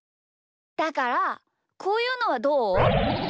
だからこういうのはどう？